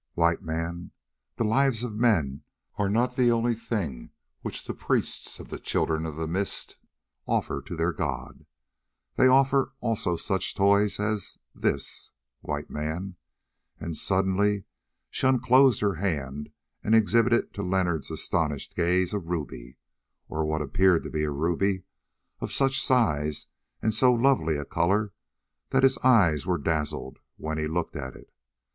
"White Man, the lives of men are not the only things which the priests of the Children of the Mist offer to their god; they offer also such toys as this, White Man," and suddenly she unclosed her hand and exhibited to Leonard's astonished gaze a ruby, or what appeared to be a ruby, of such size and so lovely a colour, that his eyes were dazzled when he looked at it.